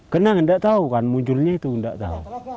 kenal nggak tahu kan munculnya itu nggak tahu